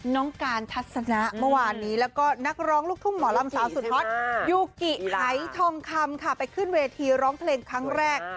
น้องการทัศนะเมื่อวานนี้แล้วก็นักร้องลูกทุ่งหมอลำสาวสุดฮอตยูกิไขทองคำค่ะไปขึ้นเวทีร้องเพลงครั้งแรก